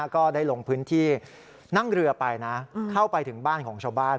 ก็ได้ลงพื้นที่นั่งเรือไปนะเข้าไปถึงบ้านของชาวบ้าน